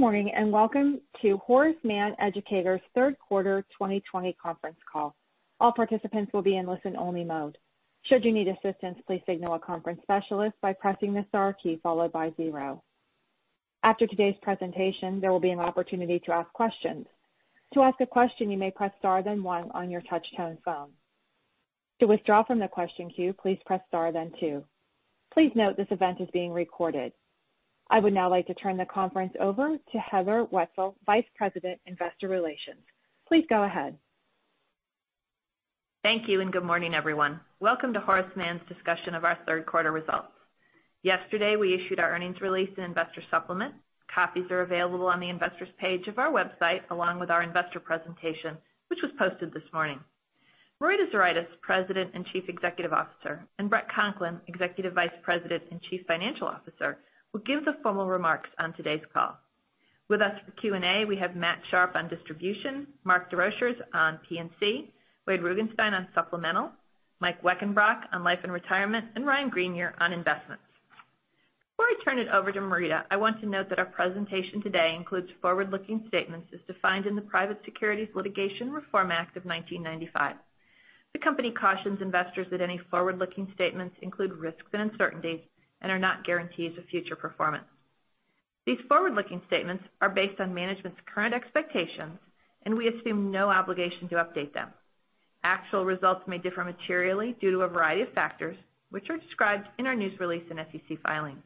Good morning, welcome to Horace Mann Educators' third quarter 2020 conference call. All participants will be in listen-only mode. Should you need assistance, please signal a conference specialist by pressing the star key followed by zero. After today's presentation, there will be an opportunity to ask questions. To ask a question, you may press star then one on your touch-tone phone. To withdraw from the question queue, please press star then two. Please note this event is being recorded. I would now like to turn the conference over to Heather Wetzel, Vice President, Investor Relations. Please go ahead. Thank you, good morning, everyone. Welcome to Horace Mann's discussion of our third quarter results. Yesterday, we issued our earnings release and investor supplement. Copies are available on the investors page of our website, along with our investor presentation, which was posted this morning. Marita Zuraitis, President and Chief Executive Officer, and Bret Conklin, Executive Vice President and Chief Financial Officer, will give the formal remarks on today's call. With us for Q&A, we have Matt Sharpe on distribution, Mark Desrochers on P&C, Wade Reece on supplemental, Mike Weckenbrock on Life & Retirement, and Ryan Greenier on investments. Before I turn it over to Marita, I want to note that our presentation today includes forward-looking statements as defined in the Private Securities Litigation Reform Act of 1995. The company cautions investors that any forward-looking statements include risks and uncertainties and are not guarantees of future performance. These forward-looking statements are based on management's current expectations, we assume no obligation to update them. Actual results may differ materially due to a variety of factors, which are described in our news release and SEC filings.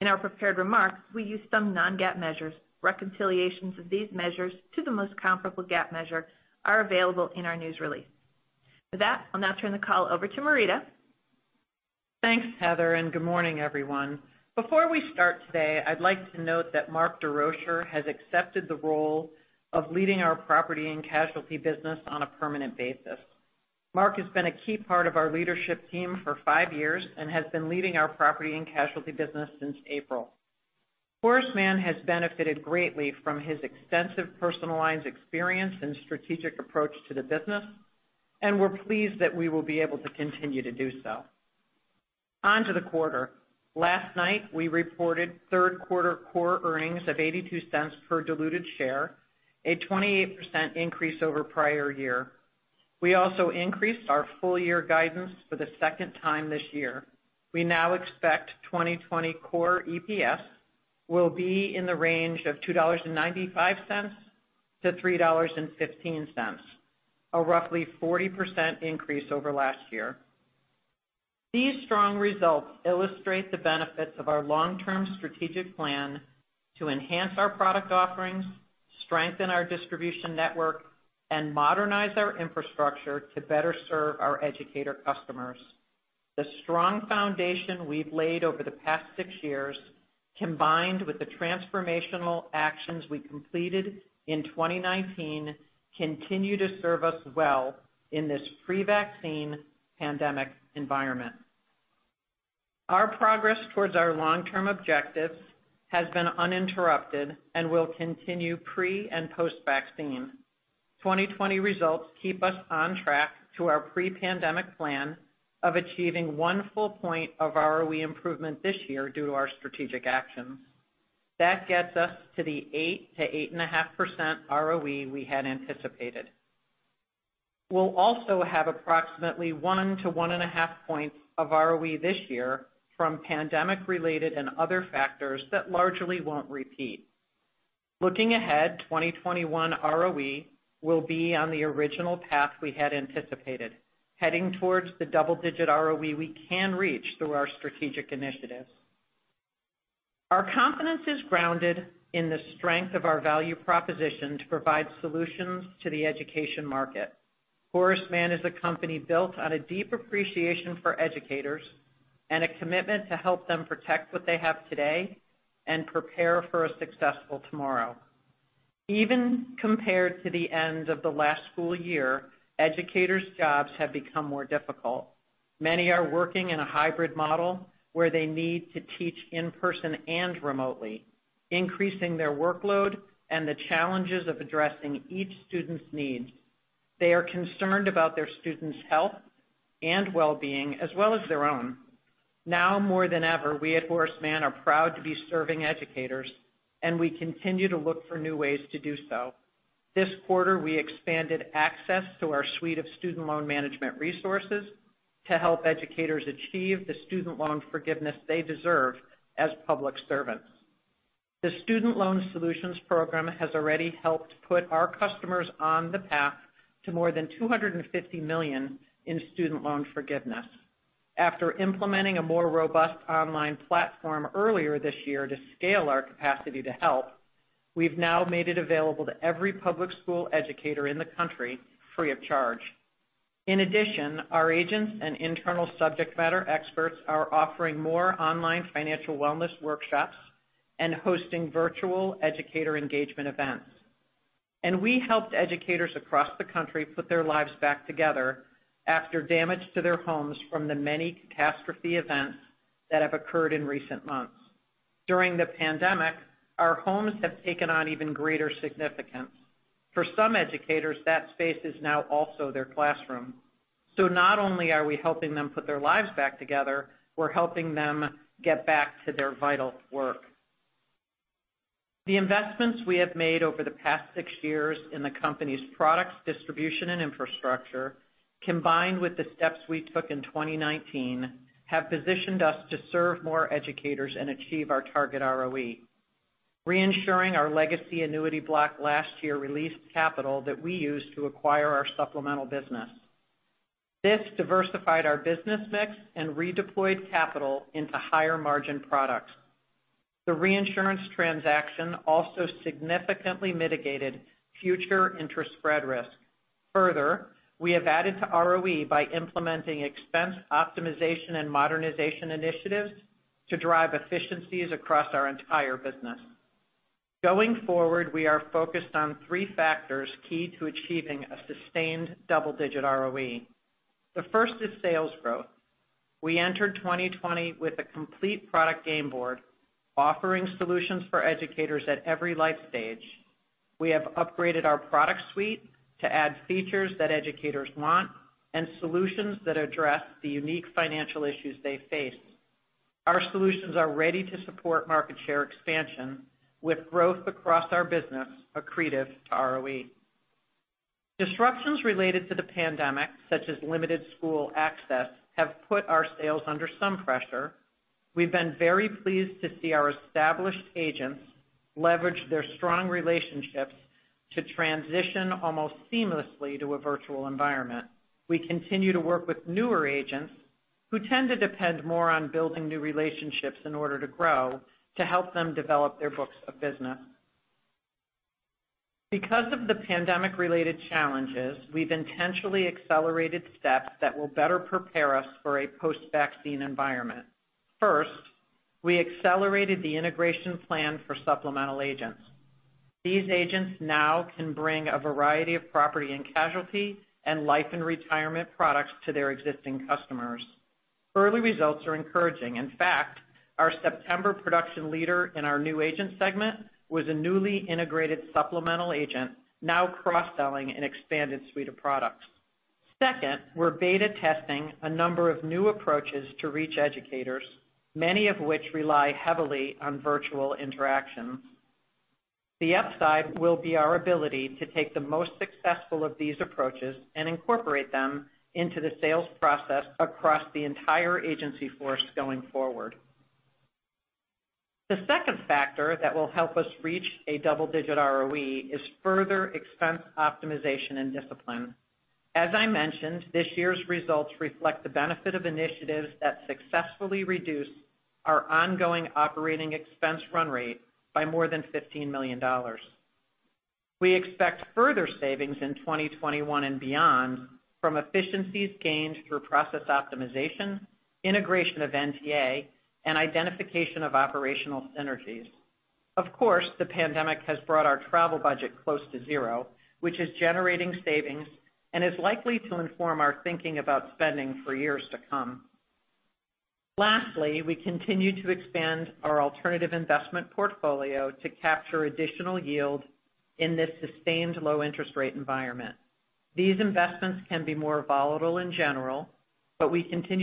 In our prepared remarks, we use some non-GAAP measures. Reconciliations of these measures to the most comparable GAAP measure are available in our news release. With that, I'll now turn the call over to Marita. Thanks, Heather, good morning, everyone. Before we start today, I'd like to note that Mark Desrochers has accepted the role of leading our property and casualty business on a permanent basis. Mark has been a key part of our leadership team for five years and has been leading our property and casualty business since April. Horace Mann has benefited greatly from his extensive personal lines experience and strategic approach to the business, we're pleased that we will be able to continue to do so. On to the quarter. Last night, we reported third quarter core earnings of $0.82 per diluted share, a 28% increase over prior year. We also increased our full-year guidance for the second time this year. We now expect 2020 core EPS will be in the range of $2.95 to $3.15, a roughly 40% increase over last year. These strong results illustrate the benefits of our long-term strategic plan to enhance our product offerings, strengthen our distribution network, and modernize our infrastructure to better serve our educator customers. The strong foundation we've laid over the past six years, combined with the transformational actions we completed in 2019, continue to serve us well in this pre-vaccine pandemic environment. Our progress towards our long-term objectives has been uninterrupted and will continue pre and post-vaccine. 2020 results keep us on track to our pre-pandemic plan of achieving one full point of ROE improvement this year due to our strategic actions. That gets us to the 8%-8.5% ROE we had anticipated. We'll also have approximately 1-1.5 points of ROE this year from pandemic-related and other factors that largely won't repeat. Looking ahead, 2021 ROE will be on the original path we had anticipated, heading towards the double-digit ROE we can reach through our strategic initiatives. Our confidence is grounded in the strength of our value proposition to provide solutions to the education market. Horace Mann is a company built on a deep appreciation for educators and a commitment to help them protect what they have today and prepare for a successful tomorrow. Even compared to the end of the last school year, educators' jobs have become more difficult. Many are working in a hybrid model where they need to teach in person and remotely, increasing their workload and the challenges of addressing each student's needs. They are concerned about their students' health and well-being, as well as their own. Now more than ever, we at Horace Mann are proud to be serving educators, we continue to look for new ways to do so. This quarter, we expanded access to our suite of student loan management resources to help educators achieve the student loan forgiveness they deserve as public servants. The Student Loan Solutions program has already helped put our customers on the path to more than $250 million in student loan forgiveness. After implementing a more robust online platform earlier this year to scale our capacity to help, we've now made it available to every public school educator in the country free of charge. In addition, our agents and internal subject matter experts are offering more online financial wellness workshops and hosting virtual educator engagement events. We helped educators across the country put their lives back together after damage to their homes from the many catastrophe events that have occurred in recent months. During the pandemic, our homes have taken on even greater significance. For some educators, that space is now also their classroom. Not only are we helping them put their lives back together, we're helping them get back to their vital work. The investments we have made over the past six years in the company's products, distribution, and infrastructure, combined with the steps we took in 2019, have positioned us to serve more educators and achieve our target ROE. Re-insuring our legacy annuity block last year released capital that we used to acquire our supplemental business. This diversified our business mix and redeployed capital into higher margin products. The reinsurance transaction also significantly mitigated future interest spread risk. We have added to ROE by implementing expense optimization and modernization initiatives to drive efficiencies across our entire business. Going forward, we are focused on three factors key to achieving a sustained double-digit ROE. The first is sales growth. We entered 2020 with a complete product game board, offering solutions for educators at every life stage. We have upgraded our product suite to add features that educators want and solutions that address the unique financial issues they face. Our solutions are ready to support market share expansion with growth across our business accretive to ROE. Disruptions related to the pandemic, such as limited school access, have put our sales under some pressure. We've been very pleased to see our established agents leverage their strong relationships to transition almost seamlessly to a virtual environment. We continue to work with newer agents who tend to depend more on building new relationships in order to grow, to help them develop their books of business. Because of the pandemic-related challenges, we've intentionally accelerated steps that will better prepare us for a post-vaccine environment. First, we accelerated the integration plan for supplemental agents. These agents now can bring a variety of property and casualty and life and retirement products to their existing customers. Early results are encouraging. In fact, our September production leader in our new agent segment was a newly integrated supplemental agent, now cross-selling an expanded suite of products. Second, we're beta testing a number of new approaches to reach educators, many of which rely heavily on virtual interactions. The upside will be our ability to take the most successful of these approaches and incorporate them into the sales process across the entire agency force going forward. The second factor that will help us reach a double-digit ROE is further expense optimization and discipline. As I mentioned, this year's results reflect the benefit of initiatives that successfully reduce our ongoing operating expense run rate by more than $15 million. We expect further savings in 2021 and beyond from efficiencies gained through process optimization, integration of NTA, and identification of operational synergies. Of course, the pandemic has brought our travel budget close to zero, which is generating savings and is likely to inform our thinking about spending for years to come. We continue to expand our alternative investment portfolio to capture additional yield in this sustained low interest rate environment. We continue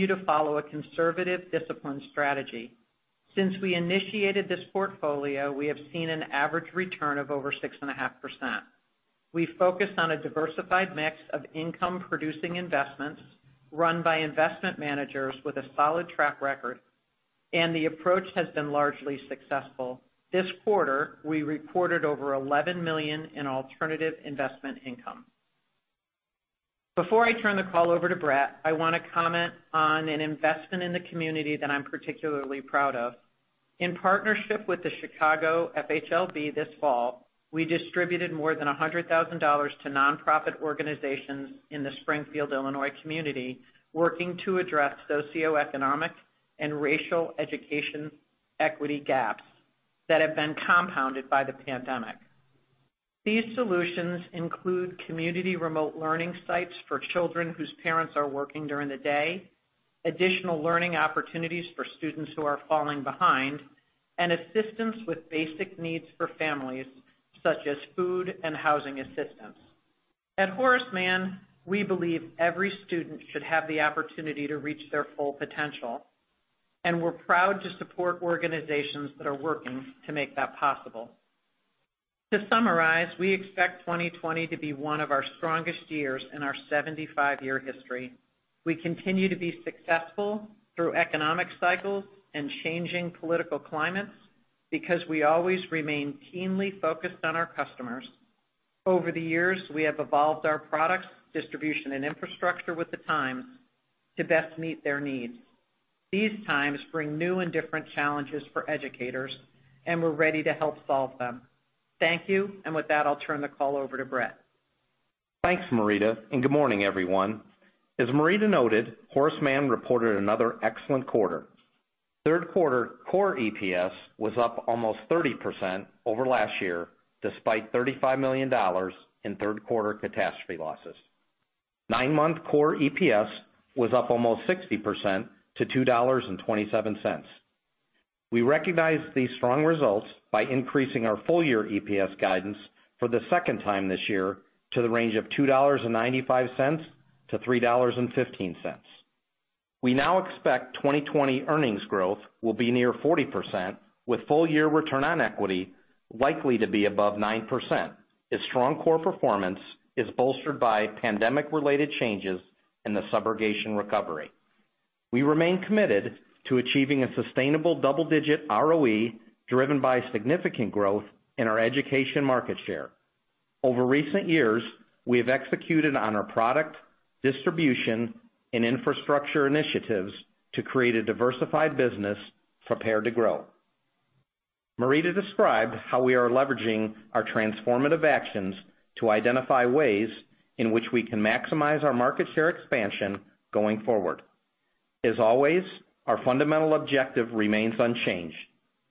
to follow a conservative discipline strategy. Since we initiated this portfolio, we have seen an average return of over 6.5%. We focus on a diversified mix of income-producing investments run by investment managers with a solid track record. The approach has been largely successful. This quarter, we reported over $11 million in alternative investment income. Before I turn the call over to Bret, I want to comment on an investment in the community that I'm particularly proud of. In partnership with the Chicago FHLB this fall, we distributed more than $100,000 to nonprofit organizations in the Springfield, Illinois community working to address socioeconomic and racial education equity gaps that have been compounded by the pandemic. These solutions include community remote learning sites for children whose parents are working during the day, additional learning opportunities for students who are falling behind, and assistance with basic needs for families, such as food and housing assistance. At Horace Mann, we believe every student should have the opportunity to reach their full potential, and we're proud to support organizations that are working to make that possible. To summarize, we expect 2020 to be one of our strongest years in our 75-year history. We continue to be successful through economic cycles and changing political climates because we always remain keenly focused on our customers. Over the years, we have evolved our products, distribution, and infrastructure with the times to best meet their needs. These times bring new and different challenges for educators, and we're ready to help solve them. Thank you. With that, I'll turn the call over to Bret. Thanks, Marita. Good morning, everyone. As Marita noted, Horace Mann reported another excellent quarter. Third quarter core EPS was up almost 30% over last year, despite $35 million in third quarter catastrophe losses. Nine-month core EPS was up almost 60% to $2.27. We recognize these strong results by increasing our full year EPS guidance for the second time this year to the range of $2.95-$3.15. We now expect 2020 earnings growth will be near 40% with full year return on equity likely to be above 9%. Its strong core performance is bolstered by pandemic related changes and the subrogation recovery. We remain committed to achieving a sustainable double-digit ROE driven by significant growth in our education market share. Over recent years, we have executed on our product, distribution, and infrastructure initiatives to create a diversified business prepared to grow. Marita described how we are leveraging our transformative actions to identify ways in which we can maximize our market share expansion going forward. As always, our fundamental objective remains unchanged,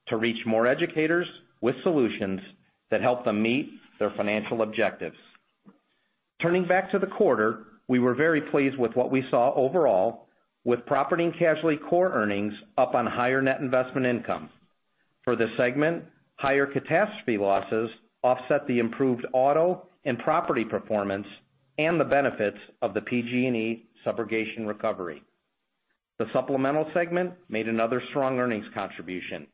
to reach more educators with solutions that help them meet their financial objectives. Turning back to the quarter, we were very pleased with what we saw overall with property and casualty core earnings up on higher net investment income. For this segment, higher catastrophe losses offset the improved auto and property performance and the benefits of the PG&E subrogation recovery. The supplemental segment made another strong earnings contribution.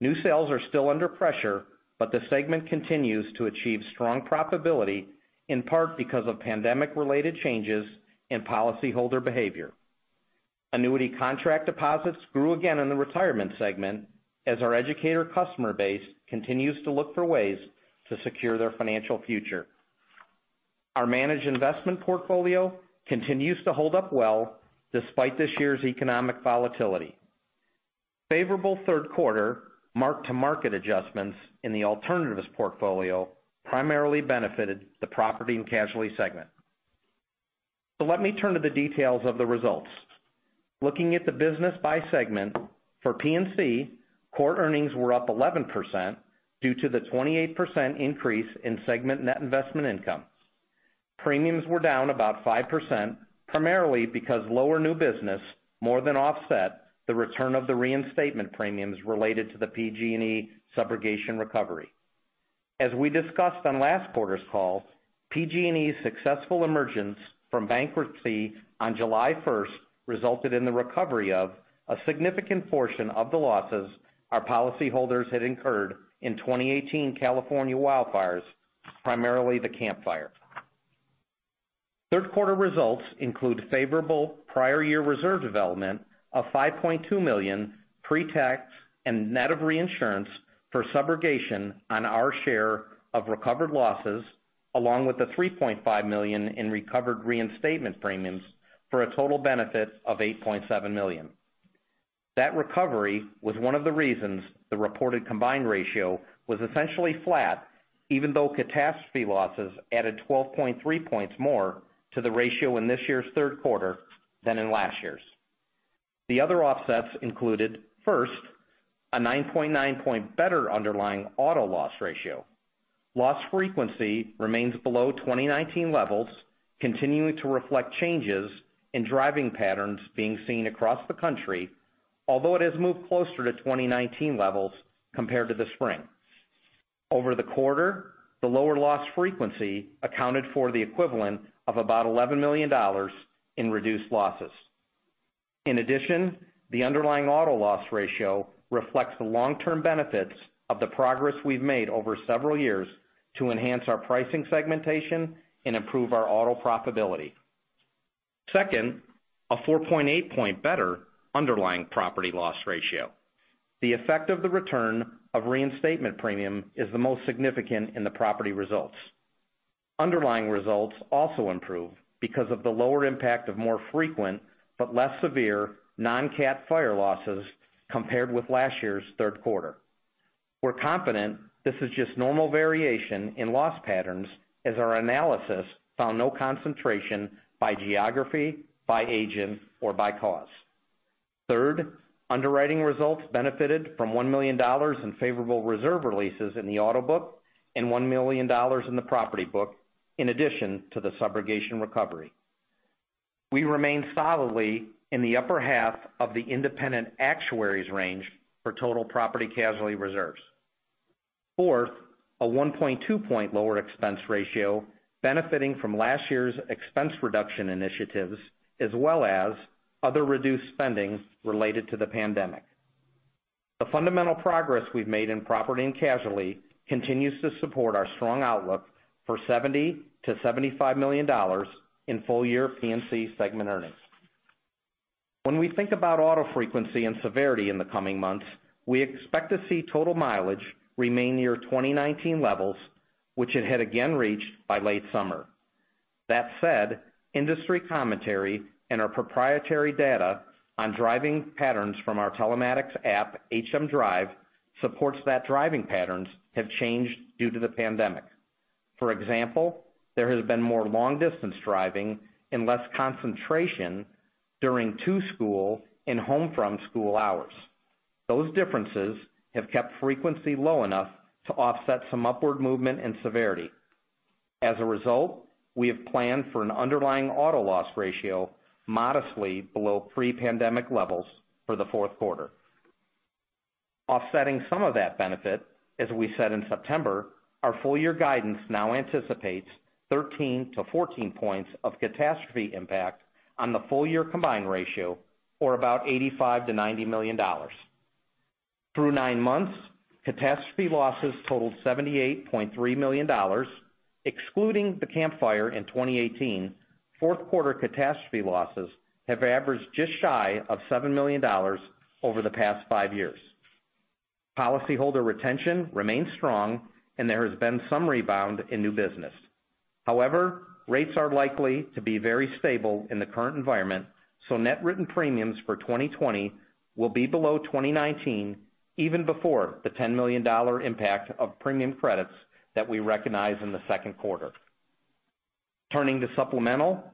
New sales are still under pressure, but the segment continues to achieve strong profitability, in part because of pandemic related changes in policy holder behavior. Annuity contract deposits grew again in the retirement segment as our educator customer base continues to look for ways to secure their financial future. Our managed investment portfolio continues to hold up well despite this year's economic volatility. Favorable third quarter mark-to-market adjustments in the alternatives portfolio primarily benefited the property and casualty segment. Let me turn to the details of the results. Looking at the business by segment, for P&C, core earnings were up 11% due to the 28% increase in segment net investment income. Premiums were down about 5%, primarily because lower new business more than offset the return of the reinstatement premiums related to the PG&E subrogation recovery. As we discussed on last quarter's call, PG&E's successful emergence from bankruptcy on July 1st resulted in the recovery of a significant portion of the losses our policy holders had incurred in 2018 California wildfires, primarily the Camp Fire. Third quarter results include favorable prior year reserve development of $5.2 million pre-tax and net of reinsurance for subrogation on our share of recovered losses, along with the $3.5 million in recovered reinstatement premiums for a total benefit of $8.7 million. That recovery was one of the reasons the reported combined ratio was essentially flat, even though catastrophe losses added 12.3 points more to the ratio in this year's third quarter than in last year's. The other offsets included, first, a 9.9-point better underlying auto loss ratio. Loss frequency remains below 2019 levels, continuing to reflect changes in driving patterns being seen across the country, although it has moved closer to 2019 levels compared to the spring. Over the quarter, the lower loss frequency accounted for the equivalent of about $11 million in reduced losses. In addition, the underlying auto loss ratio reflects the long-term benefits of the progress we've made over several years to enhance our pricing segmentation and improve our auto profitability. Second, a 4.8-point better underlying property loss ratio. The effect of the return of reinstatement premium is the most significant in the property results. Underlying results also improve because of the lower impact of more frequent but less severe non-cat fire losses compared with last year's third quarter. We're confident this is just normal variation in loss patterns as our analysis found no concentration by geography, by agent, or by cause. Third, underwriting results benefited from $1 million in favorable reserve releases in the auto book and $1 million in the property book, in addition to the subrogation recovery. We remain solidly in the upper half of the independent actuary's range for total property casualty reserves. Fourth, a 1.2-point lower expense ratio benefiting from last year's expense reduction initiatives as well as other reduced spendings related to the pandemic. The fundamental progress we've made in property and casualty continues to support our strong outlook for $70 million-$75 million in full year P&C segment earnings. When we think about auto frequency and severity in the coming months, we expect to see total mileage remain near 2019 levels, which it had again reached by late summer. That said, industry commentary and our proprietary data on driving patterns from our telematics app, HMDrive, supports that driving patterns have changed due to the pandemic. For example, there has been more long distance driving and less concentration during school and home from school hours. Those differences have kept frequency low enough to offset some upward movement and severity. As a result, we have planned for an underlying auto loss ratio modestly below pre-pandemic levels for the fourth quarter. Offsetting some of that benefit, as we said in September, our full year guidance now anticipates 13-14 points of catastrophe impact on the full year combined ratio, or about $85 million-$90 million. Through nine months, catastrophe losses totaled $78.3 million. Excluding the Camp Fire in 2018, fourth quarter catastrophe losses have averaged just shy of $7 million over the past five years. Policyholder retention remains strong, and there has been some rebound in new business. Rates are likely to be very stable in the current environment, so net written premiums for 2020 will be below 2019 even before the $10 million impact of premium credits that we recognized in the second quarter. Turning to supplemental,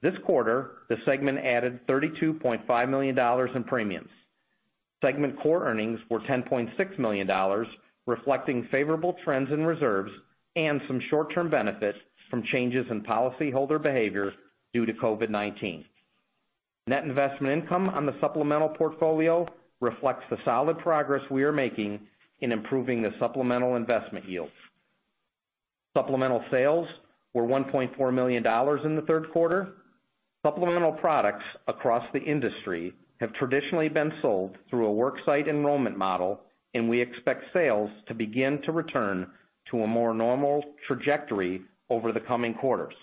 this quarter, the segment added $32.5 million in premiums. Segment core earnings were $10.6 million, reflecting favorable trends in reserves and some short-term benefits from changes in policyholder behavior due to COVID-19. Net investment income on the supplemental portfolio reflects the solid progress we are making in improving the supplemental investment yields. Supplemental sales were $1.4 million in the third quarter. Supplemental products across the industry have traditionally been sold through a worksite enrollment model, and we expect sales to begin to return to a more normal trajectory over the coming quarters.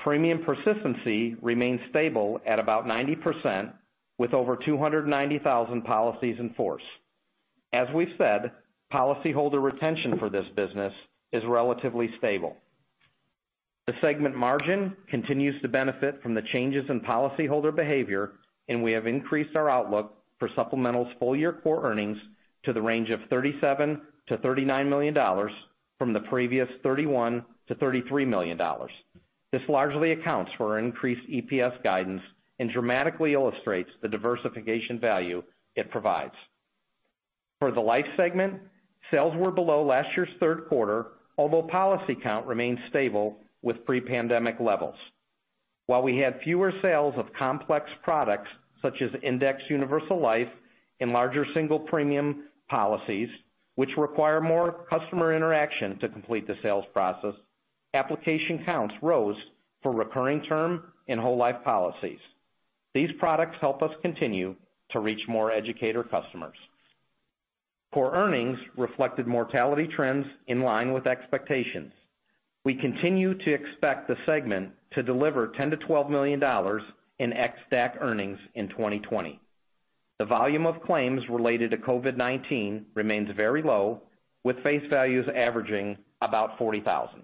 Premium persistency remains stable at about 90%, with over 290,000 policies in force. As we've said, policyholder retention for this business is relatively stable. The segment margin continues to benefit from the changes in policyholder behavior, and we have increased our outlook for supplemental's full year core earnings to the range of $37 million-$39 million from the previous $31 million-$33 million. This largely accounts for our increased EPS guidance and dramatically illustrates the diversification value it provides. For the life segment, sales were below last year's third quarter, although policy count remains stable with pre-pandemic levels. While we had fewer sales of complex products such as Indexed Universal Life and larger single premium policies, which require more customer interaction to complete the sales process, application counts rose for recurring term and whole life policies. These products help us continue to reach more educator customers. Core earnings reflected mortality trends in line with expectations. We continue to expect the segment to deliver $10 million-$12 million in ex DAC earnings in 2020. The volume of claims related to COVID-19 remains very low, with face values averaging about $40,000.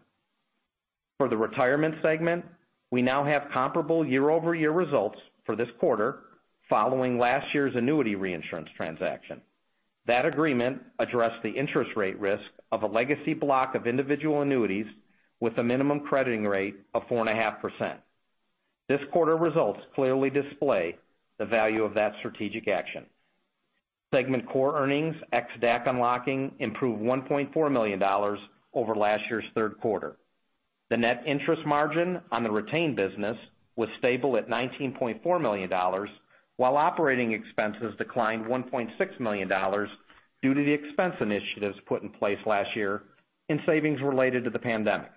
For the retirement segment, we now have comparable year-over-year results for this quarter following last year's annuity reinsurance transaction. That agreement addressed the interest rate risk of a legacy block of individual annuities with a minimum crediting rate of 4.5%. This quarter results clearly display the value of that strategic action. Segment core earnings, ex DAC unlocking, improved $1.4 million over last year's third quarter. The net interest margin on the retained business was stable at $19.4 million, while operating expenses declined $1.6 million due to the expense initiatives put in place last year in savings related to the pandemic.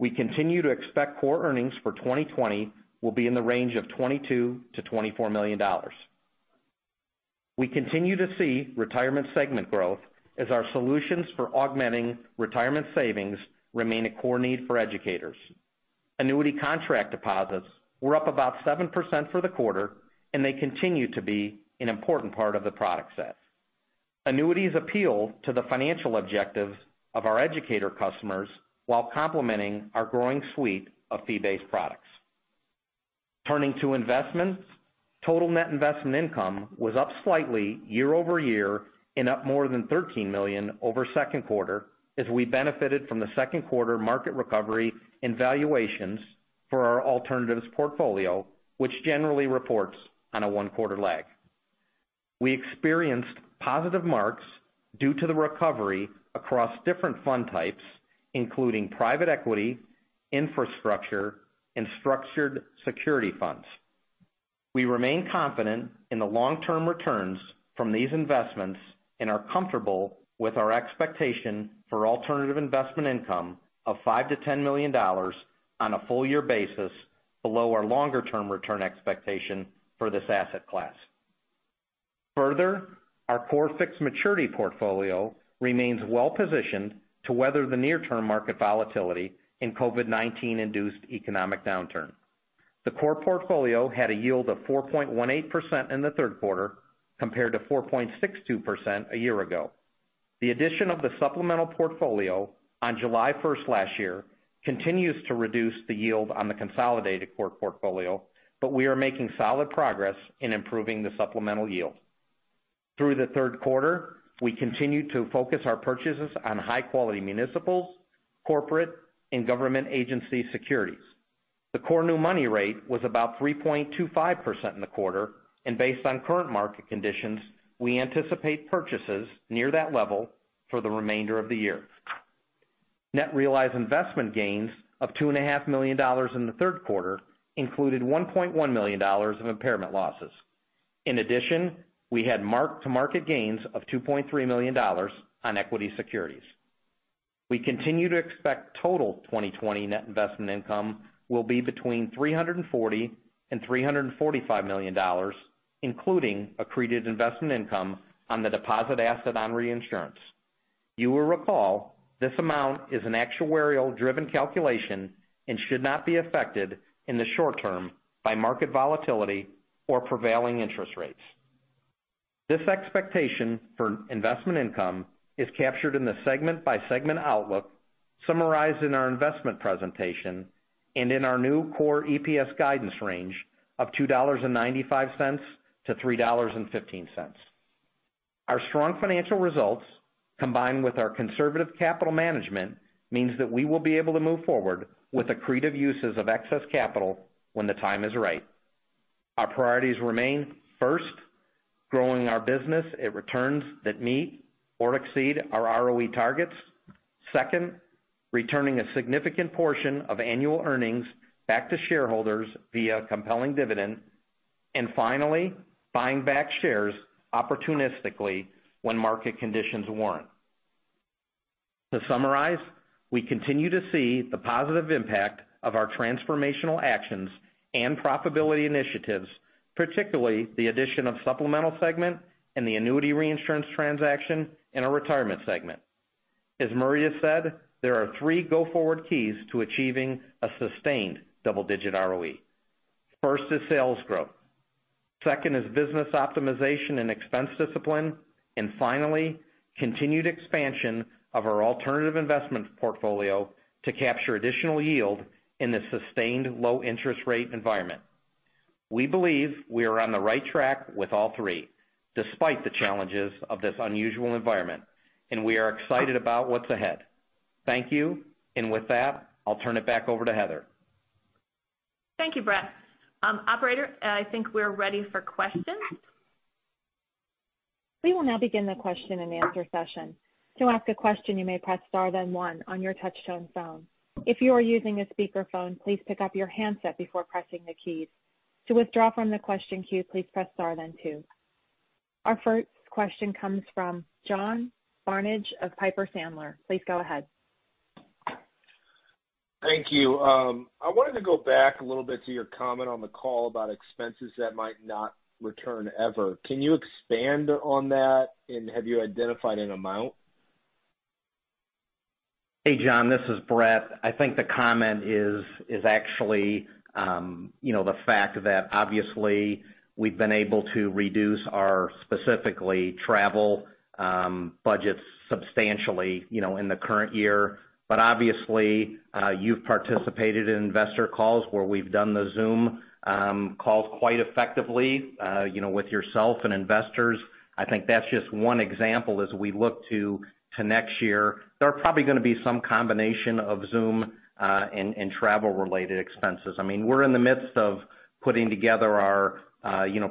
We continue to expect core earnings for 2020 will be in the range of $22 million-$24 million. We continue to see retirement segment growth as our solutions for augmenting retirement savings remain a core need for educators. Annuity contract deposits were up about 7% for the quarter, and they continue to be an important part of the product set. Annuities appeal to the financial objectives of our educator customers while complementing our growing suite of fee-based products. Total net investment income was up slightly year-over-year and up more than $13 million over second quarter as we benefited from the second quarter market recovery and valuations for our alternatives portfolio, which generally reports on a one-quarter lag. We experienced positive marks due to the recovery across different fund types, including private equity, infrastructure, and structured security funds. We remain confident in the long-term returns from these investments and are comfortable with our expectation for alternative investment income of $5 million-$10 million on a full year basis below our longer-term return expectation for this asset class. Further, our core fixed maturity portfolio remains well-positioned to weather the near-term market volatility in COVID-19-induced economic downturn. The core portfolio had a yield of 4.18% in the third quarter, compared to 4.62% a year ago. The addition of the supplemental portfolio on July 1st last year continues to reduce the yield on the consolidated core portfolio, but we are making solid progress in improving the supplemental yield. Through the third quarter, we continued to focus our purchases on high-quality municipals, corporate, and government agency securities. The core new money rate was about 3.25% in the quarter. Based on current market conditions, we anticipate purchases near that level for the remainder of the year. Net realized investment gains of $2.5 million in the third quarter included $1.1 million of impairment losses. In addition, we had mark-to-market gains of $2.3 million on equity securities. We continue to expect total 2020 net investment income will be between $340 million-$345 million, including accreted investment income on the deposit asset on reinsurance. You will recall, this amount is an actuarial-driven calculation and should not be affected in the short term by market volatility or prevailing interest rates. This expectation for investment income is captured in the segment-by-segment outlook summarized in our investment presentation and in our new core EPS guidance range of $2.95-$3.15. Our strong financial results, combined with our conservative capital management, means that we will be able to move forward with accretive uses of excess capital when the time is right. Our priorities remain, first, growing our business at returns that meet or exceed our ROE targets. Second, returning a significant portion of annual earnings back to shareholders via compelling dividend. Finally, buying back shares opportunistically when market conditions warrant. To summarize, we continue to see the positive impact of our transformational actions and profitability initiatives, particularly the addition of supplemental segment and the annuity reinsurance transaction in our retirement segment. As Marita said, there are three go-forward keys to achieving a sustained double-digit ROE. First is sales growth. Second is business optimization and expense discipline. Finally, continued expansion of our alternative investment portfolio to capture additional yield in this sustained low-interest rate environment. We believe we are on the right track with all three, despite the challenges of this unusual environment, and we are excited about what's ahead. Thank you. With that, I'll turn it back over to Heather. Thank you, Bret. Operator, I think we're ready for questions. We will now begin the question-and-answer session. To ask a question, you may press star then one on your touchtone phone. If you are using a speakerphone, please pick up your handset before pressing the keys. To withdraw from the question queue, please press star then two. Our first question comes from John Barnidge of Piper Sandler. Please go ahead. Thank you. I wanted to go back a little bit to your comment on the call about expenses that might not return ever. Can you expand on that? Have you identified an amount? Hey, John, this is Bret. I think the comment is actually the fact that obviously we've been able to reduce our specifically travel budgets substantially in the current year. Obviously, you've participated in investor calls where we've done the Zoom calls quite effectively with yourself and investors. I think that's just one example as we look to next year. There are probably going to be some combination of Zoom and travel-related expenses. We're in the midst of putting together our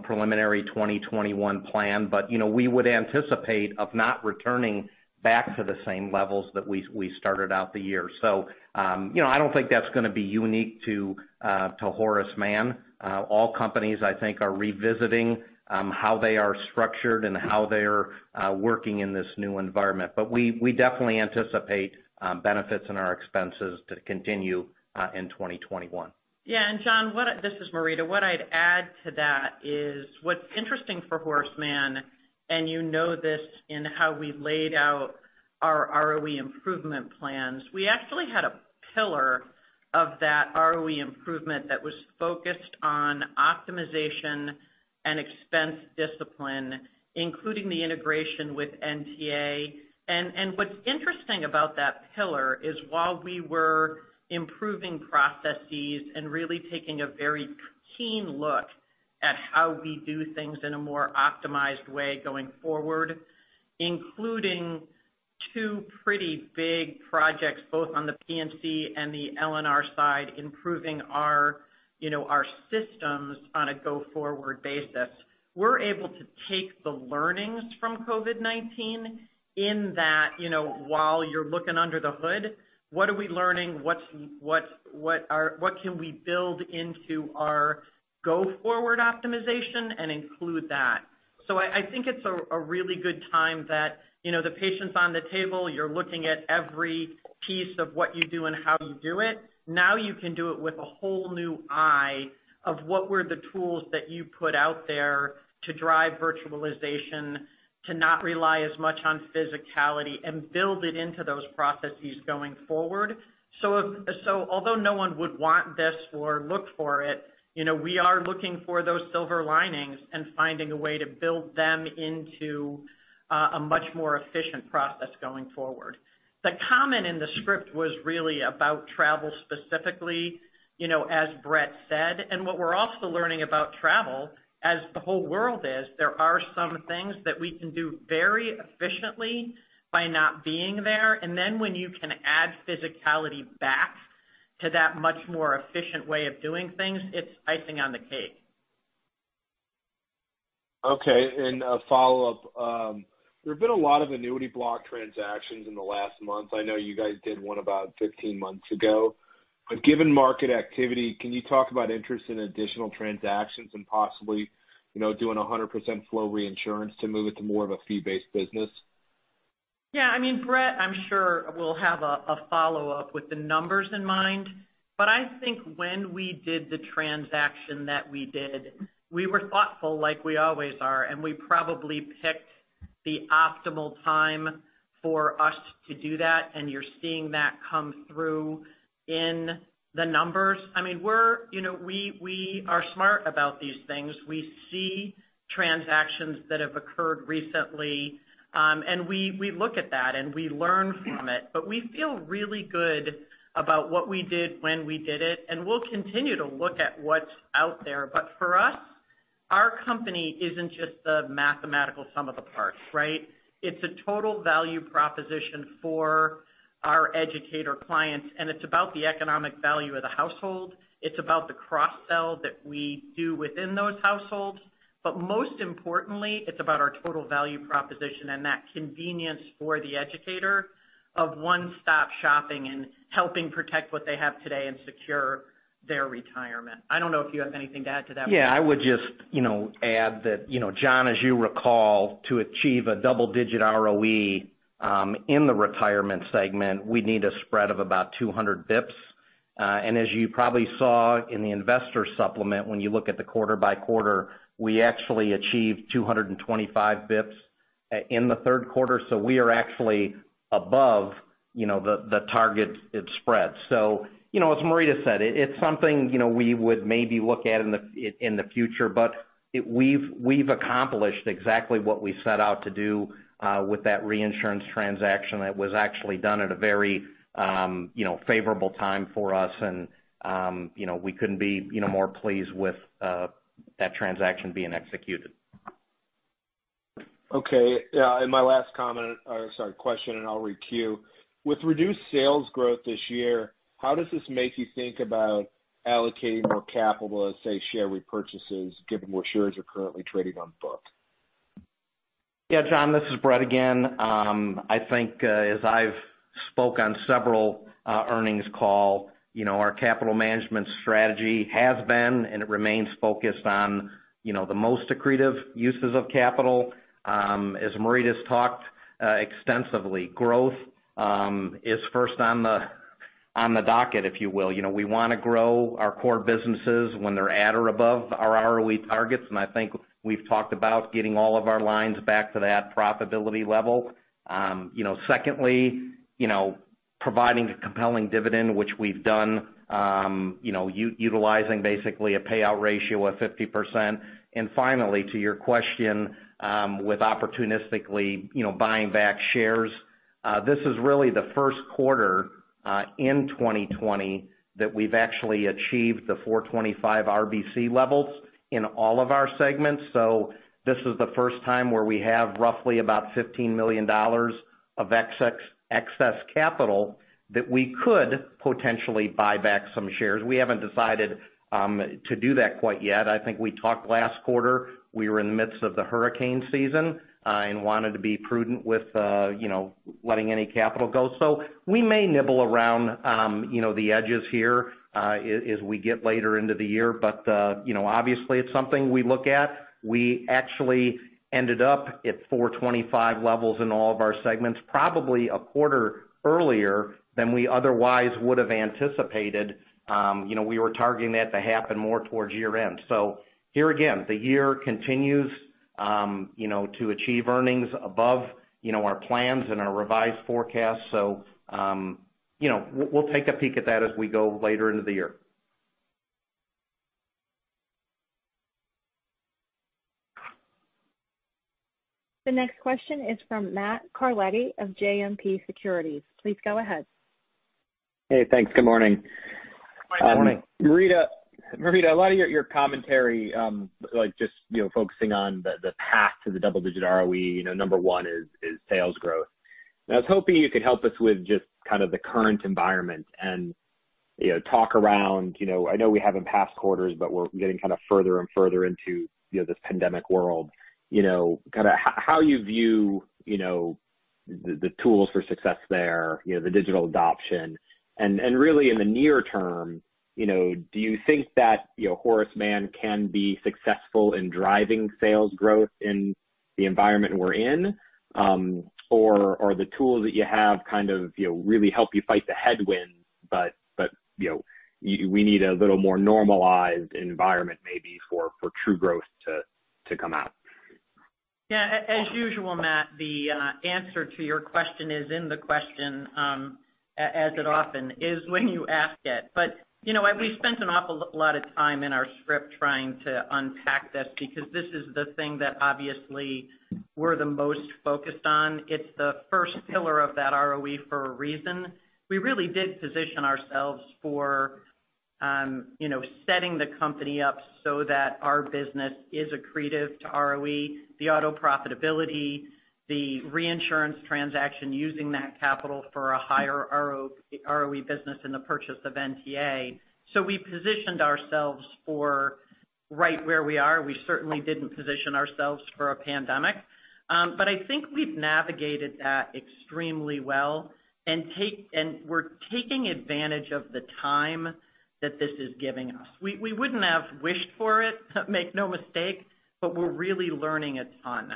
preliminary 2021 plan, we would anticipate of not returning back to the same levels that we started out the year. I don't think that's going to be unique to Horace Mann. All companies, I think, are revisiting how they are structured and how they are working in this new environment. We definitely anticipate benefits in our expenses to continue in 2021. Yeah, John, this is Marita. What I'd add to that is what's interesting for Horace Mann, you know this in how we laid out our ROE improvement plans. We actually had a pillar of that ROE improvement that was focused on optimization and expense discipline, including the integration with NTA. What's interesting about that pillar is while we were improving processes and really taking a very keen look at how we do things in a more optimized way going forward, including two pretty big projects, both on the P&C and the L&R side, improving our systems on a go-forward basis. We're able to take the learnings from COVID-19 in that while you're looking under the hood, what are we learning? What can we build into our go-forward optimization and include that? I think it's a really good time that the patient's on the table, you're looking at every piece of what you do and how you do it. Now you can do it with a whole new eye of what were the tools that you put out there to drive virtualization, to not rely as much on physicality and build it into those processes going forward. Although no one would want this or look for it, we are looking for those silver linings and finding a way to build them into a much more efficient process going forward. The comment in the script was really about travel specifically as Bret said, what we're also learning about travel as the whole world is, there are some things that we can do very efficiently by not being there. When you can add physicality back to that much more efficient way of doing things, it's icing on the cake. Okay. A follow-up. There have been a lot of annuity block transactions in the last month. I know you guys did one about 15 months ago. Given market activity, can you talk about interest in additional transactions and possibly doing 100% flow reinsurance to move it to more of a fee-based business? Yeah. Bret, I'm sure, will have a follow-up with the numbers in mind. I think when we did the transaction that we did, we were thoughtful like we always are, and we probably picked the optimal time for us to do that, and you're seeing that come through in the numbers. We are smart about these things. We see transactions that have occurred recently, and we look at that, and we learn from it. We feel really good about what we did when we did it, and we'll continue to look at what's out there. For us, our company isn't just the mathematical sum of the parts, right? It's a total value proposition for our educator clients, and it's about the economic value of the household. It's about the cross-sell that we do within those households. Most importantly, it's about our total value proposition and that convenience for the educator of one-stop shopping and helping protect what they have today and secure their retirement. I don't know if you have anything to add to that. Yeah. I would just add that, John, as you recall, to achieve a double-digit ROE in the retirement segment, we'd need a spread of about 200 basis points. As you probably saw in the investor supplement, when you look at the quarter by quarter, we actually achieved 225 basis points in the third quarter. We are actually above the target spread. As Marita said, it's something we would maybe look at in the future, we've accomplished exactly what we set out to do with that reinsurance transaction that was actually done at a very favorable time for us. We couldn't be more pleased with that transaction being executed. Okay. My last comment or, sorry, question, and I'll requeue. With reduced sales growth this year, how does this make you think about allocating more capital as, say, share repurchases, given where shares are currently trading on book? Yeah, John, this is Bret again. I think, as I've spoke on several earnings call, our capital management strategy has been and it remains focused on the most accretive uses of capital. As Marita's talked extensively, growth is first on the docket, if you will. We want to grow our core businesses when they're at or above our ROE targets, and I think we've talked about getting all of our lines back to that profitability level. Secondly, providing a compelling dividend, which we've done, utilizing basically a payout ratio of 50%. Finally, to your question, with opportunistically buying back shares. This is really the first quarter in 2020 that we've actually achieved the 425 RBC levels in all of our segments. This is the first time where we have roughly about $15 million of excess capital that we could potentially buy back some shares. We haven't decided to do that quite yet. I think we talked last quarter. We were in the midst of the hurricane season and wanted to be prudent with letting any capital go. We may nibble around the edges here as we get later into the year. Obviously, it's something we look at. We actually ended up at 425 levels in all of our segments, probably a quarter earlier than we otherwise would have anticipated. We were targeting that to happen more towards year-end. Here again, the year continues to achieve earnings above our plans and our revised forecasts. We'll take a peek at that as we go later into the year. The next question is from Matthew Carletti of JMP Securities. Please go ahead. Hey, thanks. Good morning. Good morning. Marita, a lot of your commentary, just focusing on the path to the double-digit ROE, number 1 is sales growth. I was hoping you could help us with just kind of the current environment and talk around, I know we have in past quarters, but we're getting kind of further and further into this pandemic world, kind of how you view the tools for success there, the digital adoption. Really, in the near term, do you think that Horace Mann can be successful in driving sales growth in the environment we're in? The tools that you have kind of really help you fight the headwinds, but we need a little more normalized environment maybe for true growth to come out? Yeah. As usual, Matt, the answer to your question is in the question, as it often is when you ask it. We spent an awful lot of time in our script trying to unpack this because this is the thing that obviously we're the most focused on. It's the first pillar of that ROE for a reason. We really did position ourselves for setting the company up so that our business is accretive to ROE, the auto profitability, the reinsurance transaction using that capital for a higher ROE business in the purchase of NTA. We positioned ourselves for Right where we are, we certainly didn't position ourselves for a pandemic. I think we've navigated that extremely well, and we're taking advantage of the time that this is giving us. We wouldn't have wished for it, make no mistake, but we're really learning a ton.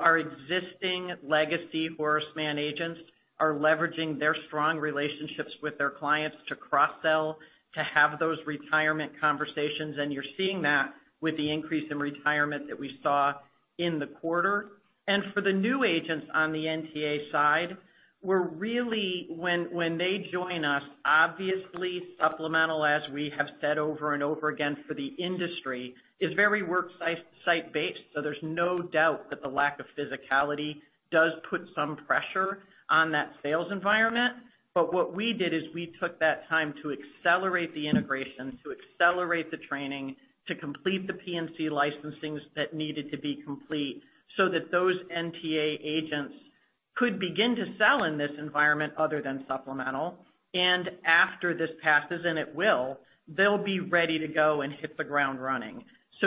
Our existing legacy Horace Mann agents are leveraging their strong relationships with their clients to cross-sell, to have those retirement conversations, and you're seeing that with the increase in retirement that we saw in the quarter. For the new agents on the NTA side, when they join us, obviously supplemental, as we have said over and over again for the industry, is very worksite-based, so there's no doubt that the lack of physicality does put some pressure on that sales environment. What we did is we took that time to accelerate the integration, to accelerate the training, to complete the P&C licensings that needed to be complete so that those NTA agents could begin to sell in this environment other than supplemental. After this passes, and it will, they'll be ready to go and hit the ground running.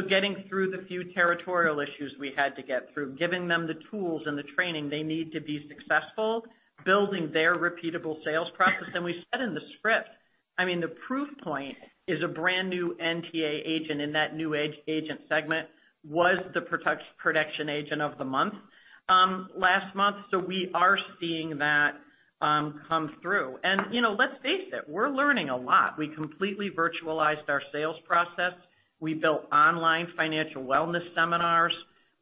Getting through the few territorial issues we had to get through, giving them the tools and the training they need to be successful, building their repeatable sales process. We said in the script, the proof point is a brand new NTA agent in that new agent segment was the production agent of the month last month. We are seeing that come through. Let's face it, we're learning a lot. We completely virtualized our sales process. We built online financial wellness seminars.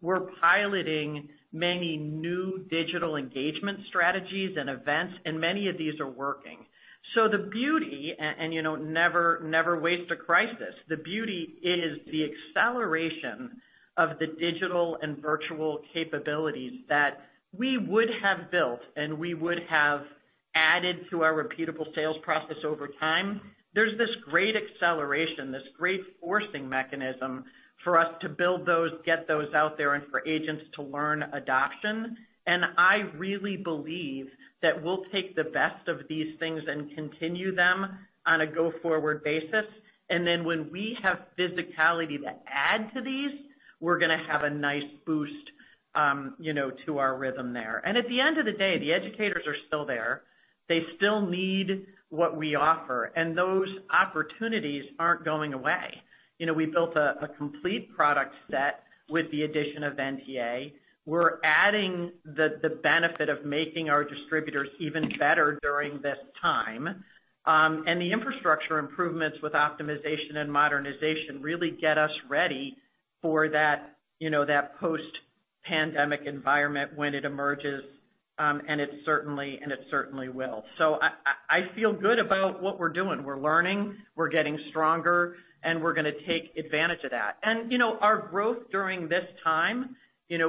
We're piloting many new digital engagement strategies and events, and many of these are working. The beauty, and never waste a crisis, the beauty is the acceleration of the digital and virtual capabilities that we would have built, and we would have added to our repeatable sales process over time. There's this great acceleration, this great forcing mechanism for us to build those, get those out there, and for agents to learn adoption. I really believe that we'll take the best of these things and continue them on a go-forward basis. Then when we have physicality to add to these, we're going to have a nice boost to our rhythm there. At the end of the day, the educators are still there. They still need what we offer, and those opportunities aren't going away. We built a complete product set with the addition of NTA. We're adding the benefit of making our distributors even better during this time. The infrastructure improvements with optimization and modernization really get us ready for that post-pandemic environment when it emerges, and it certainly will. I feel good about what we're doing. We're learning, we're getting stronger, and we're going to take advantage of that. Our growth during this time, it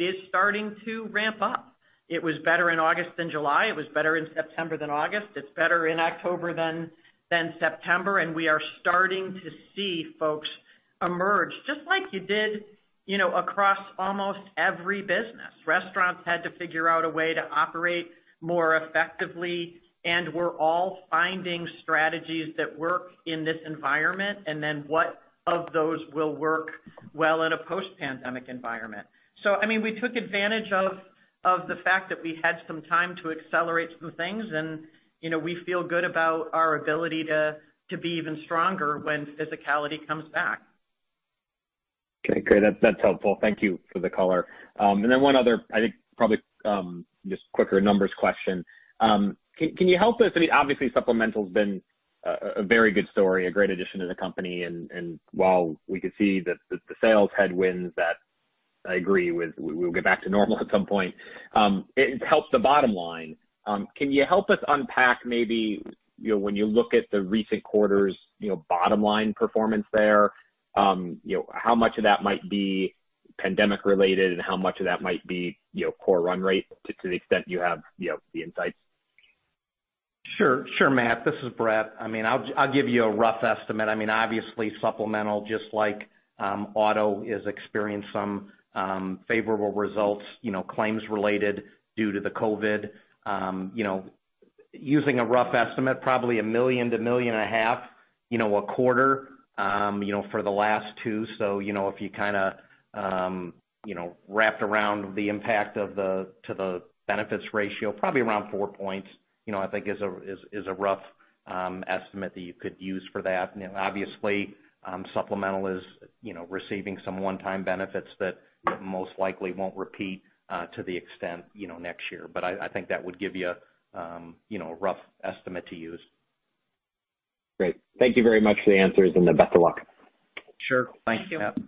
is starting to ramp up. It was better in August than July. It was better in September than August. It's better in October than September. We are starting to see folks emerge, just like you did across almost every business. Restaurants had to figure out a way to operate more effectively, and we're all finding strategies that work in this environment, and then what of those will work well in a post-pandemic environment. We took advantage of the fact that we had some time to accelerate some things, and we feel good about our ability to be even stronger when physicality comes back. Okay, great. That's helpful. Thank you for the color. Then one other, I think probably just quicker numbers question. Can you help us, I mean, obviously supplemental's been a very good story, a great addition to the company, and while we could see the sales headwinds that I agree with, we'll get back to normal at some point. It helps the bottom line. Can you help us unpack maybe when you look at the recent quarter's bottom line performance there, how much of that might be pandemic related and how much of that might be core run rate to the extent you have the insights? Sure, Matt. This is Bret. I'll give you a rough estimate. Obviously, supplemental, just like auto, has experienced some favorable results claims related due to the COVID. Using a rough estimate, probably $1 million to $1.5 million a quarter for the last two. If you wrapped around the impact to the benefits ratio, probably around four points, I think is a rough estimate that you could use for that. Obviously, supplemental is receiving some one-time benefits that most likely won't repeat to the extent next year. I think that would give you a rough estimate to use. Great. Thank you very much for the answers, the best of luck. Sure. Thank you. Thanks, Matt.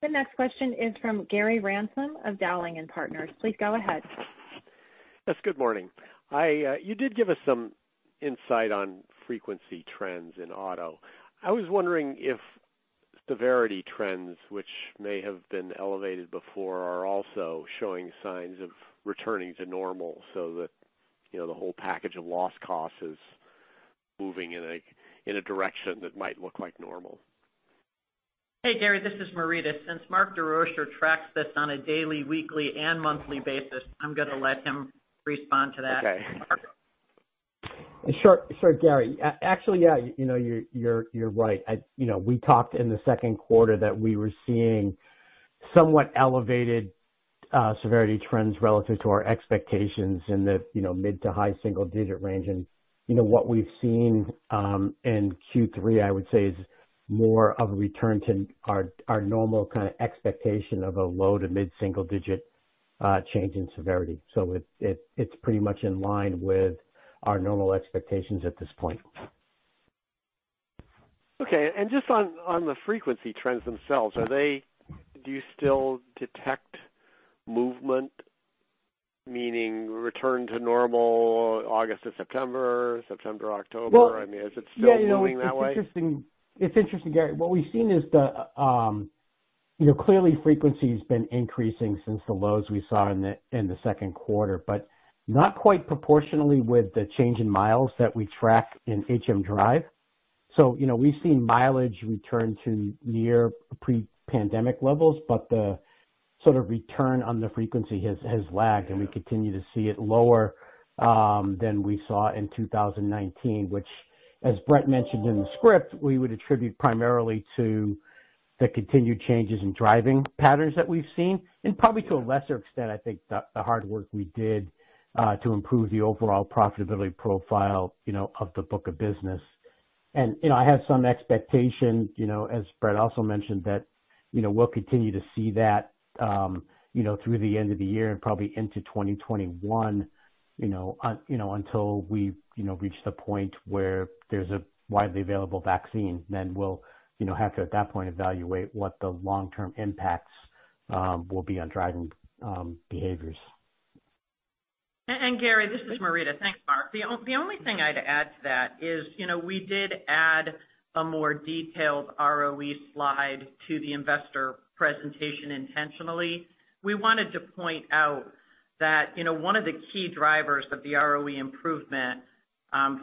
The next question is from Gary Ransom of Dowling & Partners. Please go ahead. Yes, good morning. You did give us some insight on frequency trends in auto. I was wondering if severity trends, which may have been elevated before, are also showing signs of returning to normal so that the whole package of loss cost is moving in a direction that might look like normal. Hey, Gary, this is Marita. Since Mark Desrochers tracks this on a daily, weekly, and monthly basis, I'm going to let him respond to that. Okay. Sure, Gary. Actually, yeah, you're right. We talked in the second quarter that we were seeing somewhat elevated severity trends relative to our expectations in the mid to high single-digit range. What we've seen in Q3, I would say, is more of a return to our normal kind of expectation of a low to mid-single digit change in severity. It's pretty much in line with our normal expectations at this point. Just on the frequency trends themselves, do you still detect movement? Meaning, return to normal August to September, October? I mean, is it still moving that way? It's interesting, Gary, what we've seen is that clearly frequency's been increasing since the lows we saw in the second quarter, but not quite proportionally with the change in miles that we track in HMDrive. We've seen mileage return to near pre-pandemic levels, but the sort of return on the frequency has lagged, and we continue to see it lower than we saw in 2019, which, as Bret mentioned in the script, we would attribute primarily to the continued changes in driving patterns that we've seen, and probably to a lesser extent, I think, the hard work we did, to improve the overall profitability profile of the book of business. I have some expectation, as Bret also mentioned, that we'll continue to see that through the end of the year and probably into 2021, until we reach the point where there's a widely available vaccine. We'll have to, at that point, evaluate what the long-term impacts will be on driving behaviors. Gary, this is Marita. Thanks, Mark. The only thing I'd add to that is, we did add a more detailed ROE slide to the investor presentation intentionally. We wanted to point out that one of the key drivers of the ROE improvement,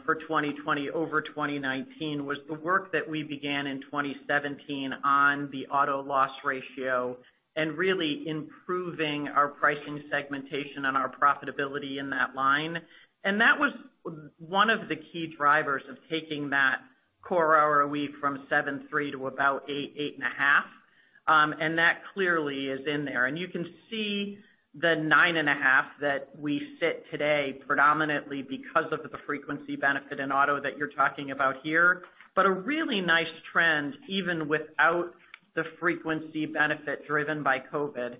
for 2020 over 2019, was the work that we began in 2017 on the auto loss ratio, and really improving our pricing segmentation and our profitability in that line. That was one of the key drivers of taking that core ROE from 7.3 to about 8.5. That clearly is in there. You can see the 9.5 that we sit today predominantly because of the frequency benefit in auto that you're talking about here. A really nice trend, even without the frequency benefit driven by COVID,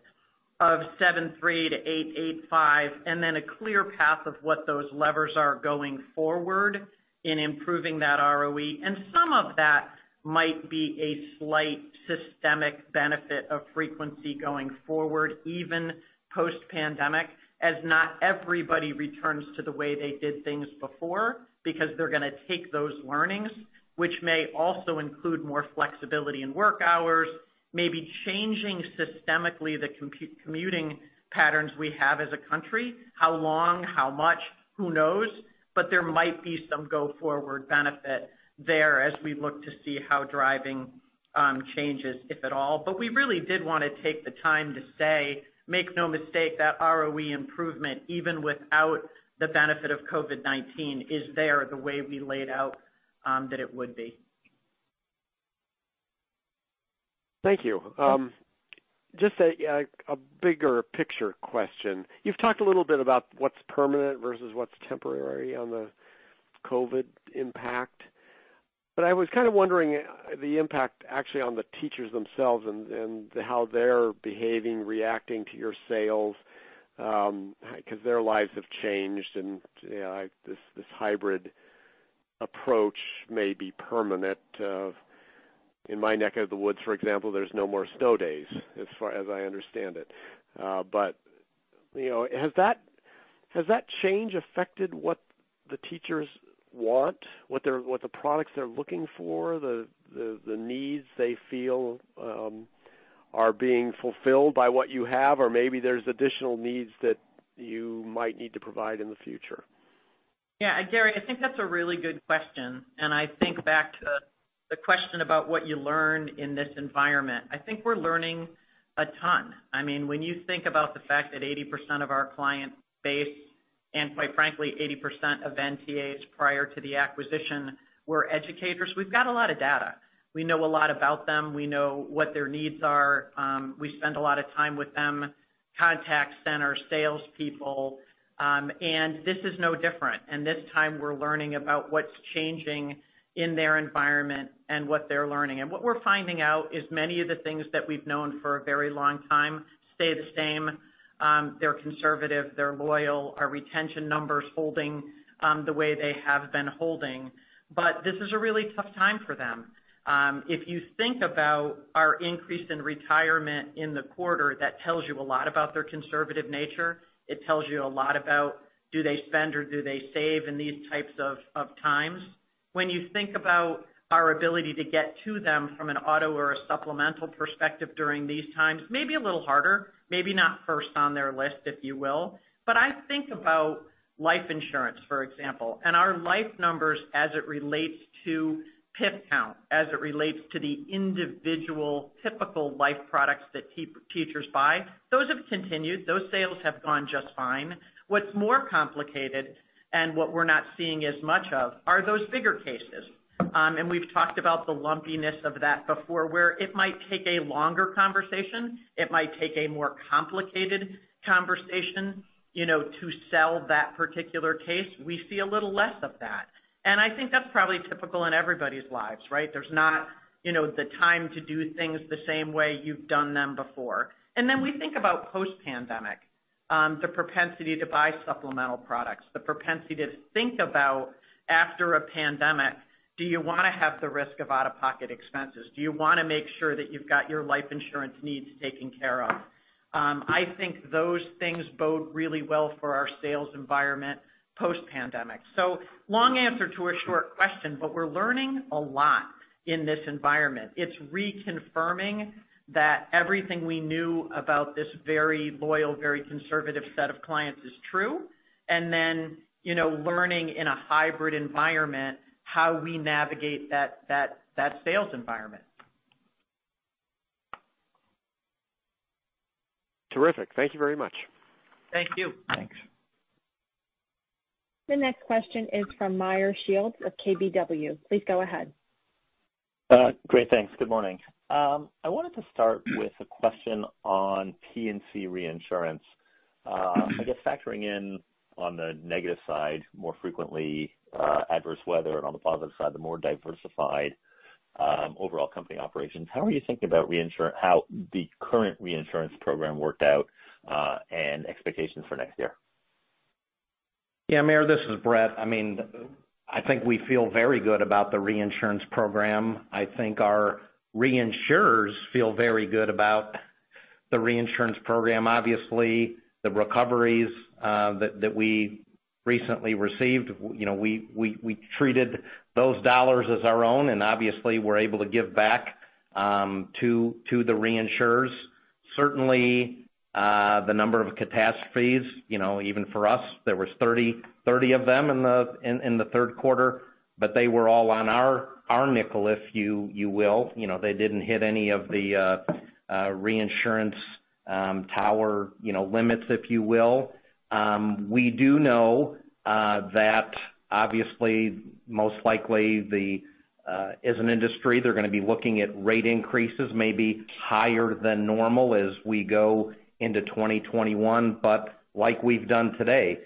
of 73 to 8.5, and then a clear path of what those levers are going forward in improving that ROE. Some of that might be a slight systemic benefit of frequency going forward, even post-pandemic, as not everybody returns to the way they did things before, because they're going to take those learnings, which may also include more flexibility in work hours, maybe changing systemically the commuting patterns we have as a country. How long, how much, who knows? There might be some go-forward benefit there as we look to see how driving changes, if at all. We really did want to take the time to say, make no mistake, that ROE improvement, even without the benefit of COVID-19, is there the way we laid out that it would be. Thank you. Just a bigger picture question. You've talked a little bit about what's permanent versus what's temporary on the COVID impact. I was kind of wondering the impact actually on the teachers themselves and how they're behaving, reacting to your sales, because their lives have changed, and this hybrid approach may be permanent. In my neck of the woods, for example, there's no more snow days, as far as I understand it. Has that change affected what the teachers want, what the products they're looking for, the needs they feel are being fulfilled by what you have? Or maybe there's additional needs that you might need to provide in the future. Yeah. Gary, I think that's a really good question, I think back to the question about what you learned in this environment. I think we're learning a ton. When you think about the fact that 80% of our client base, quite frankly, 80% of NTA prior to the acquisition were educators, we've got a lot of data. We know a lot about them. We know what their needs are. We spend a lot of time with them, contact center, sales people, this is no different. This time, we're learning about what's changing in their environment and what they're learning. What we're finding out is many of the things that we've known for a very long time stay the same. They're conservative, they're loyal, our retention numbers holding the way they have been holding. This is a really tough time for them. If you think about our increase in retirement in the quarter, that tells you a lot about their conservative nature. It tells you a lot about do they spend or do they save in these types of times? When you think about our ability to get to them from an auto or a supplemental perspective during these times, maybe a little harder, maybe not first on their list, if you will. I think about life insurance, for example, and our life numbers as it relates to PIF count, as it relates to the individual typical life products that teachers buy. Those have continued. Those sales have gone just fine. What's more complicated and what we're not seeing as much of are those bigger cases. We've talked about the lumpiness of that before, where it might take a longer conversation, it might take a more complicated conversation to sell that particular case. We see a little less of that. I think that's probably typical in everybody's lives, right? There's not the time to do things the same way you've done them before. We think about post-pandemic, the propensity to buy supplemental products, the propensity to think about after a pandemic, do you want to have the risk of out-of-pocket expenses? Do you want to make sure that you've got your life insurance needs taken care of? I think those things bode really well for our sales environment post-pandemic. Long answer to a short question, but we're learning a lot in this environment. It's reconfirming that everything we knew about this very loyal, very conservative set of clients is true, and then learning in a hybrid environment how we navigate that sales environment. Terrific. Thank you very much. Thank you. Thanks. The next question is from Meyer Shields of KBW. Please go ahead. Great. Thanks. Good morning. I wanted to start with a question on P&C reinsurance. I guess factoring in on the negative side, more frequently adverse weather, and on the positive side, the more diversified overall company operations, how are you thinking about how the current reinsurance program worked out, and expectations for next year? Yeah, Meyer, this is Bret. I think we feel very good about the reinsurance program. I think our reinsurers feel very good about the reinsurance program. Obviously, the recoveries that we recently received, we treated those dollars as our own, and obviously, we're able to give back to the reinsurers. Certainly, the number of catastrophes, even for us, there was 30 of them in the third quarter, but they were all on our nickel, if you will. They didn't hit any of the reinsurance tower limits, if you will. We do know that obviously, most likely as an industry, they're going to be looking at rate increases maybe higher than normal as we go into 2021. Like we've done today,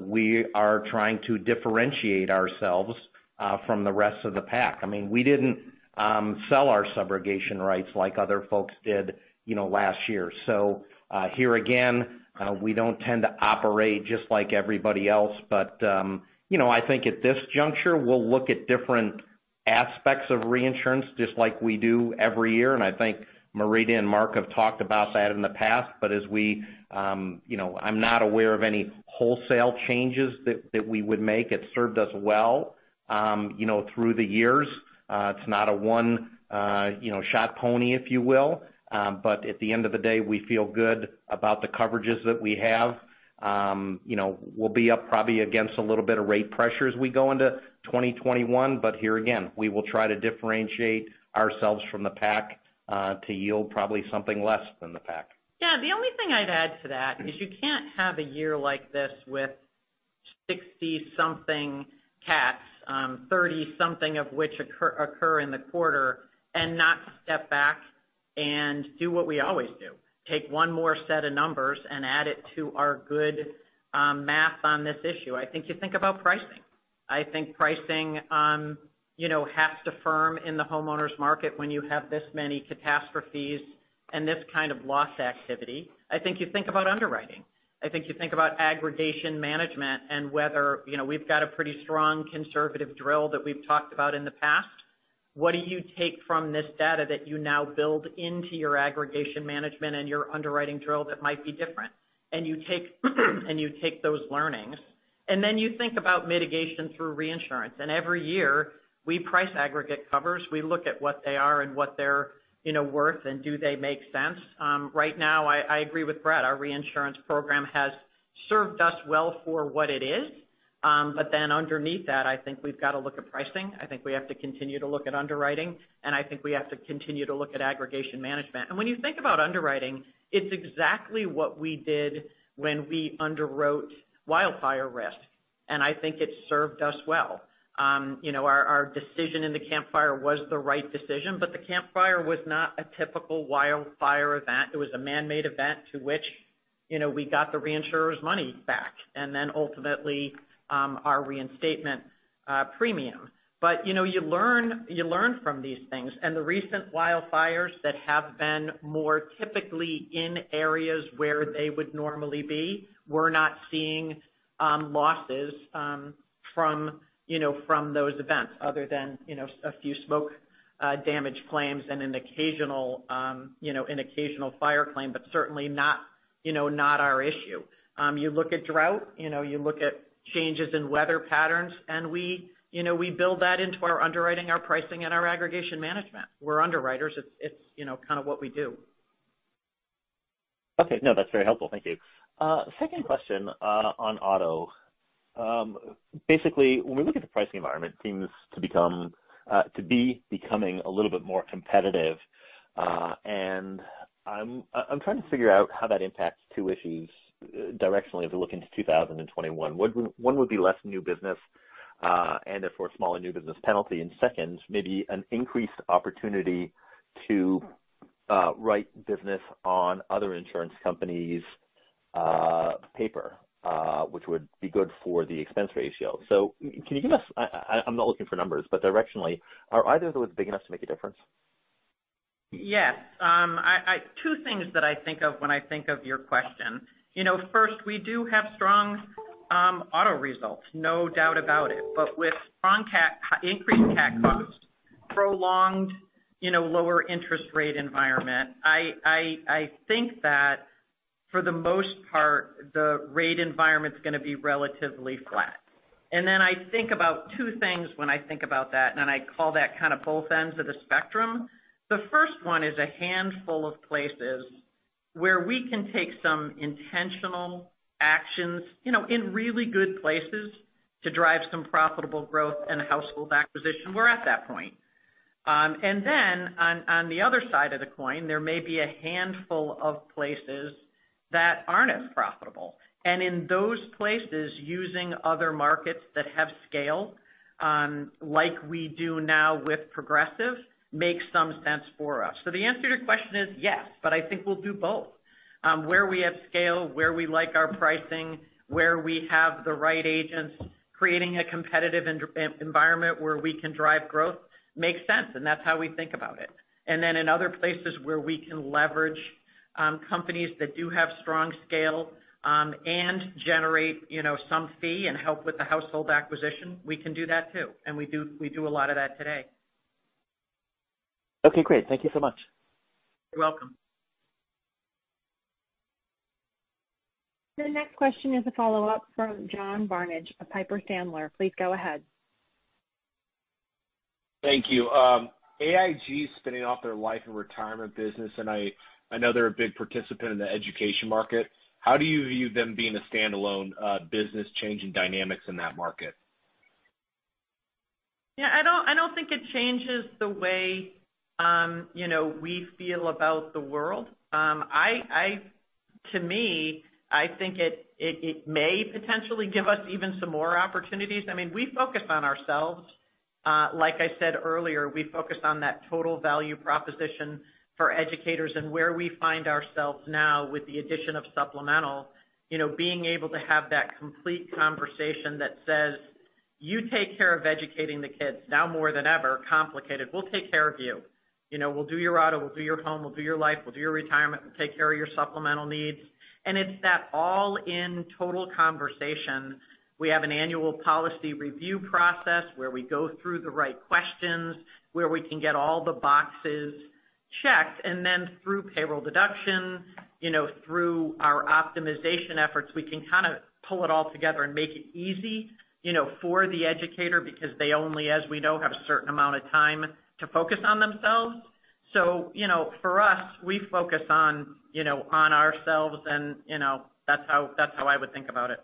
we are trying to differentiate ourselves from the rest of the pack. We didn't sell our subrogation rights like other folks did last year. Here again, we don't tend to operate just like everybody else. I think at this juncture, we'll look at different aspects of reinsurance, just like we do every year. I think Marita and Mark have talked about that in the past. I'm not aware of any wholesale changes that we would make. It's served us well through the years. It's not a one-shot pony, if you will. At the end of the day, we feel good about the coverages that we have. We'll be up probably against a little bit of rate pressure as we go into 2021, but here again, we will try to differentiate ourselves from the pack to yield probably something less than the pack. Yeah. The only thing I'd add to that is you can't have a year like this with 60-something cats, 30-something of which occur in the quarter, and not step back and do what we always do. Take one more set of numbers and add it to our good math on this issue. I think you think about pricing. I think pricing has to firm in the homeowners market when you have this many catastrophes and this kind of loss activity. I think you think about underwriting. I think you think about aggregation management and whether we've got a pretty strong conservative drill that we've talked about in the past. What do you take from this data that you now build into your aggregation management and your underwriting drill that might be different? You take those learnings, then you think about mitigation through reinsurance. Every year, we price aggregate covers. We look at what they are and what they're worth, and do they make sense? Right now, I agree with Bret. Our reinsurance program has served us well for what it is. Underneath that, I think we've got to look at pricing. I think we have to continue to look at underwriting, I think we have to continue to look at aggregation management. When you think about underwriting, it's exactly what we did when we underwrote wildfire risk, and I think it served us well. Our decision in the Camp Fire was the right decision, the Camp Fire was not a typical wildfire event. It was a man-made event to which we got the reinsurers' money back, then ultimately, our reinstatement premium. You learn from these things. The recent wildfires that have been more typically in areas where they would normally be, we're not seeing losses from those events other than a few smoke damage claims and an occasional fire claim, but certainly not our issue. You look at drought, you look at changes in weather patterns, we build that into our underwriting, our pricing, our aggregation management. We're underwriters. It's kind of what we do. Okay. No, that's very helpful. Thank you. Second question on auto. Basically, when we look at the pricing environment, seems to be becoming a little bit more competitive. I'm trying to figure out how that impacts two issues directionally as we look into 2021. One would be less new business, and therefore, smaller new business penalty. Second, maybe an increased opportunity to write business on other insurance companies' paper, which would be good for the expense ratio. Can you give us, I'm not looking for numbers, but directionally, are either of those big enough to make a difference? Yes. Two things that I think of when I think of your question. First, we do have strong auto results, no doubt about it. With strong increased CAT costs, prolonged lower interest rate environment, I think that for the most part, the rate environment's going to be relatively flat. I think about two things when I think about that, and I call that kind of both ends of the spectrum. The first one is a handful of places where we can take some intentional actions, in really good places, to drive some profitable growth and a household acquisition. We're at that point. On the other side of the coin, there may be a handful of places that aren't as profitable. In those places, using other markets that have scale, like we do now with Progressive, makes some sense for us. The answer to your question is yes, but I think we'll do both. Where we have scale, where we like our pricing, where we have the right agents, creating a competitive environment where we can drive growth makes sense, and that's how we think about it. In other places where we can leverage companies that do have strong scale and generate some fee and help with the household acquisition, we can do that too. We do a lot of that today. Okay, great. Thank you so much. You're welcome. The next question is a follow-up from John Barnidge of Piper Sandler. Please go ahead. Thank you. AIG is spinning off their life and retirement business, I know they're a big participant in the education market. How do you view them being a standalone business changing dynamics in that market? Yeah, I don't think it changes the way we feel about the world. To me, I think it may potentially give us even some more opportunities. We focus on ourselves. Like I said earlier, we focus on that total value proposition for educators and where we find ourselves now with the addition of supplemental, being able to have that complete conversation that says, "You take care of educating the kids, now more than ever, complicated. We'll take care of you. We'll do your auto, we'll do your home, we'll do your life, we'll do your retirement, we'll take care of your supplemental needs." It's that all-in total conversation. We have an annual policy review process where we go through the right questions, where we can get all the boxes checked, and then through payroll deduction, through our optimization efforts, we can kind of pull it all together and make it easy for the educator, because they only, as we know, have a certain amount of time to focus on themselves. For us, we focus on ourselves, and that's how I would think about it.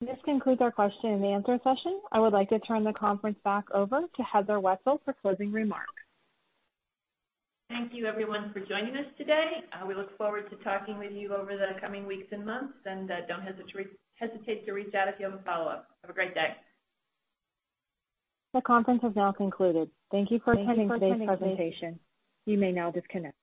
This concludes our question and answer session. I would like to turn the conference back over to Heather Wetzel for closing remarks. Thank you everyone for joining us today. We look forward to talking with you over the coming weeks and months, and don't hesitate to reach out if you have a follow-up. Have a great day. The conference has now concluded. Thank you for attending today's presentation. You may now disconnect.